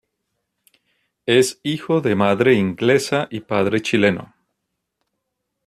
Es hijo de madre inglesa y de padre chileno.